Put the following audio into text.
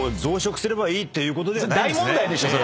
大問題でしょそれ！